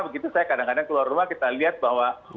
begitu saya kadang kadang keluar rumah kita lihat bahwa